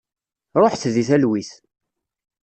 Ruḥet deg talwit.